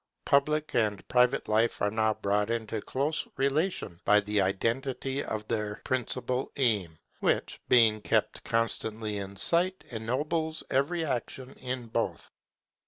Public and private life are now brought into close relation by the identity of their principal aim, which, being kept constantly in sight, ennobles every action in both.